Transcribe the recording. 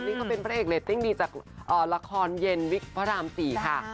นี่เขาเป็นพระเอกเรตติ้งดีจากละครเย็นวิกพระราม๔ค่ะ